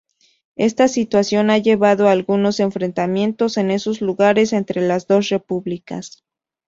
Esta situación ha llevado a algunos enfrentamientos en esos lugares entre las dos repúblicas.